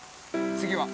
次は？